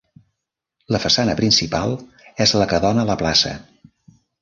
La façana principal és la que dóna a la plaça.